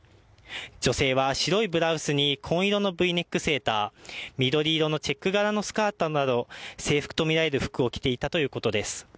女性は白いブラウスに紺色のＶネックセーター緑色のチェック柄のスカートなど、制服とみられる服を着ていたということです。